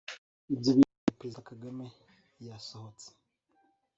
Ibyo birangiye Perezida Kagame yasohotse